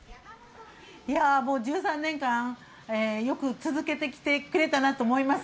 １３年間よく続けてきてくれたなと思います。